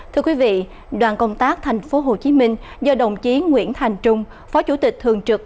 thưa quý vị đoàn công tác tp hcm do đồng chí nguyễn thành trung phó chủ tịch thường trực